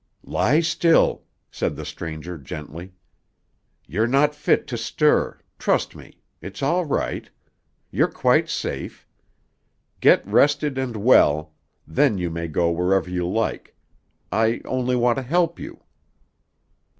"Lie still," said the stranger gently. "You're not fit to stir. Trust me. It's all right. You're quite safe. Get rested and well, then you may go wherever you like. I want only to help you."